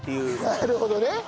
なるほどね。